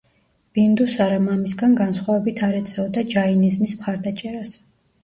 ბინდუსარა მამისგან განსხვავებით არ ეწეოდა ჯაინიზმის მხარდაჭერას.